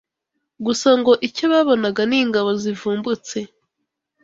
Gusa ngo icyo babonaga n’ingabo zivumbutse